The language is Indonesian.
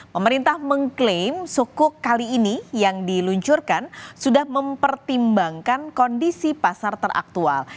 pemerintah mengklaim suku kali ini yang diluncurkan sudah mempertimbangkan kondisi pasar teraktual